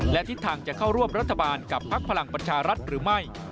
และทิศทางจะเข้าร่วมรัฐบาลกับพักพลังประชารัฐหรือไม่